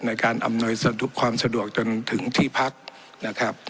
ในการอำนวยความสะดวกจนถึงที่พักนะครับ